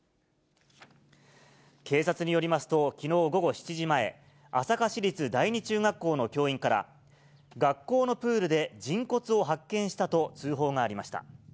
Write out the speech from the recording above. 警察によりますと、きのう午後７時前、朝霞市立第二中学校の教員から、学校のプールで人骨を発見したと、通報がありました。